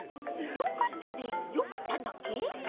よかったでよかったんだっけ？